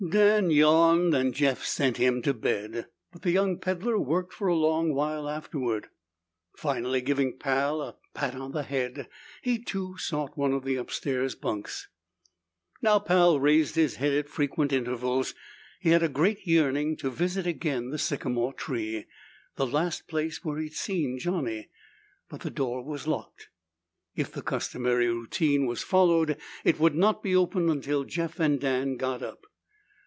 Dan yawned and Jeff sent him to bed, but the young peddler worked for a long while afterward. Finally, giving Pal a pat on the head, he too sought one of the upstairs bunks. Now Pal raised his head at frequent intervals. He had a great yearning to visit again the sycamore tree the last place where he'd seen Johnny, but the door was locked. If the customary routine was followed, it would not be opened until Jeff and Dan got up.